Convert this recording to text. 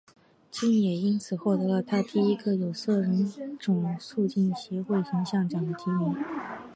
金也因此获得了她的第一个有色人种促进协会形象奖的提名。